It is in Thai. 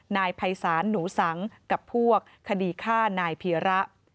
นายภัยศาลหนูสังกับพวกคดีฆ่านายพีระ